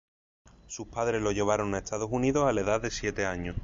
Sus padres lo llevaron a Estados Unidos a la edad de siete años.